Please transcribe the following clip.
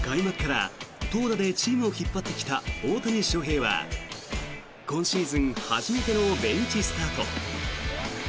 開幕から投打でチームを引っ張ってきた大谷翔平は今シーズン初めてのベンチスタート。